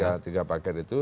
iya tiga paket itu